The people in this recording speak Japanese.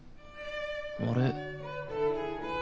あれ？